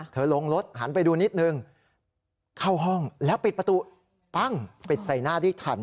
ลงรถหันไปดูนิดนึงเข้าห้องแล้วปิดประตูปั้งปิดใส่หน้าได้ทัน